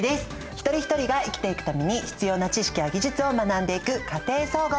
一人一人が生きていくために必要な知識や技術を学んでいく「家庭総合」。